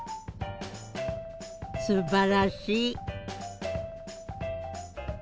すばらしい。